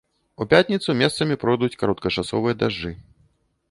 У пятніцу месцамі пройдуць кароткачасовыя дажджы.